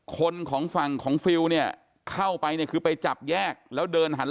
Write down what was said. คนของฝั่งของฟิลเนี่ยเข้าไปเนี่ยคือไปจับแยกแล้วเดินหัน